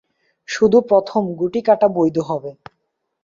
শুধু প্রথম গুটি কাটা বৈধ হবে।